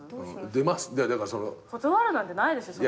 断るなんてないでしょ。